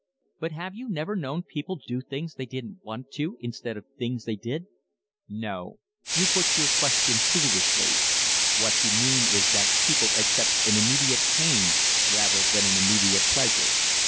"But have you never known people do things they didn't want to instead of things they did?" "No. You put your question foolishly. What you mean is that people accept an immediate pain rather than an immediate pleasure.